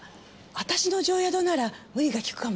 私の定宿なら無理がきくかも。